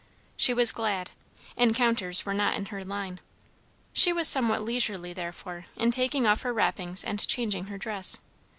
She was glad. Encounters were not in her line. She was somewhat leisurely, therefore, in taking off her wrappings and changing her dress.